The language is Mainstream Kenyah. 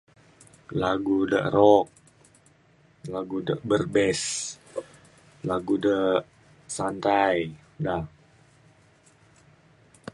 lagu de rock lagu de ber bass lagu de santai da